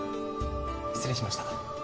失礼しました